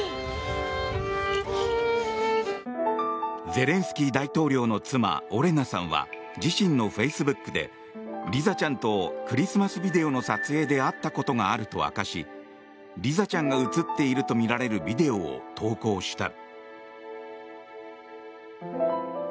ゼレンスキー大統領の妻オレナさんは自身のフェイスブックでリザちゃんとクリスマスビデオの撮影で会ったことがあると明かしリザちゃんが映っているとみられるビデオを投稿した。